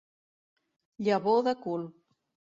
Llavor de cul.